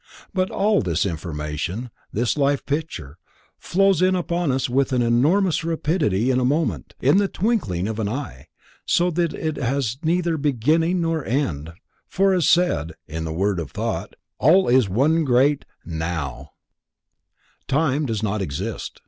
But all this information, this life picture, flows in upon us with an enormous rapidity in a moment, in the twinkling of an eye, so that it has neither beginning nor end, for, as said, in the World of Thought, all is one great NOW, Time does not exist.